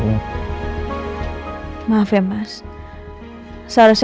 karena aku masih di rumah ini jadi aku mau pergi ke rumah ini